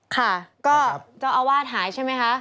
ค่ะก็เจ้าอาวาสหายใช่ไหมคะ